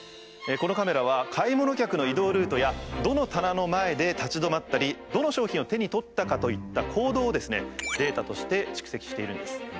このカメラは買い物客の移動ルートやどの棚の前で立ち止まったりどの商品を手に取ったかといった行動をですねデータとして蓄積しているんです。